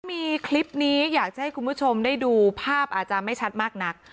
มีคลิปนี้อยากจะให้คุณผู้ชมได้ดูภาพอาจจะไม่ชัดมากนัก